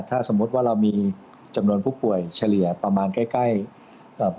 ถ้าสมมุติว่าเรามีจำนวนผู้ป่วยเฉลี่ยประมาณใกล้ใกล้เอ่อ